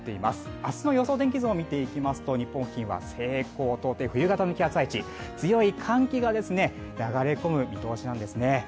明日の予報天気図を見ていきますと日本列島は広く冬型の気圧配置、強い寒気が流れ込む見通しなんですね。